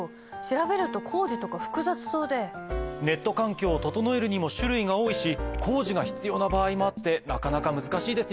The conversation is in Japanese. ネット環境を整えるにも種類が多いし工事が必要な場合もあってなかなか難しいですよね。